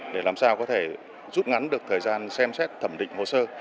để làm sao có thể rút ngắn được thời gian xem xét thẩm định hồ sơ